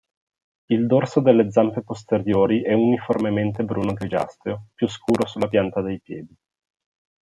Il dorso delle zampe posteriori è uniformemente bruno-grigiastro, più scuro sulla pianta dei piedi.